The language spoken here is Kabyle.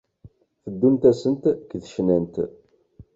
teddunt-asent deg tecnant.